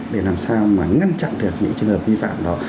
để làm sao mà ngăn chặn được những trường hợp vi phạm đó